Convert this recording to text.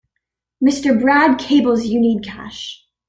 Mr. Brad cables you need cash.